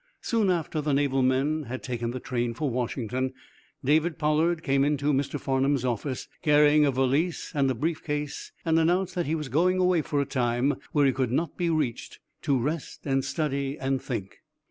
Soon after the naval men had taken their train for Washington, David Pollard came into Mr. Farnum's office, carrying a valise and a brief case and announced that he was going away for a time where he could not be reached to rest and study and think.